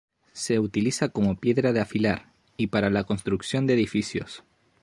Se utiliza como piedra de afilar y para la construcción de edificios.